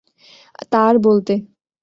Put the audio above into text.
তা আর বলতে!